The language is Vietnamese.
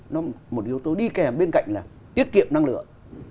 nó một yếu tố đi kèm bên cạnh là tiết kiệm năng lượng